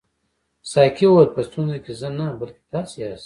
ساقي وویل په ستونزه کې زه نه بلکې تاسي یاست.